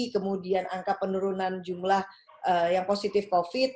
kemudian angka penurunan jumlah yang positif covid